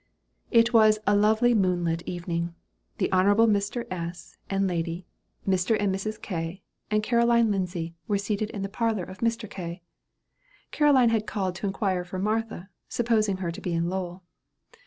It was a lovely moonlight evening. The Hon. Mr. S. and lady, Mr. and Mrs. K., and Caroline Lindsay, were seated in the parlor of Mr. K. Caroline had called to inquire for Martha, supposing her to be in Lowell.